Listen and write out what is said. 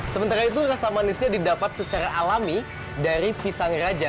sementara itu rasa manisnya didapat secara alami dari pisang raja